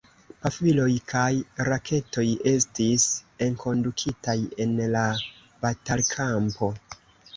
Pafiloj kaj raketoj estis enkondukitaj en la batalkampo.